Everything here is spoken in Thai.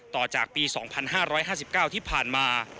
ต่อจากปี๒๕๕๙ที่ผ่านมา